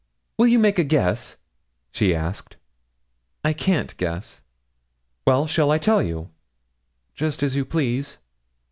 'Will you make a guess?' she asked. 'I can't guess.' 'Well, shall I tell you?' 'Just as you please.'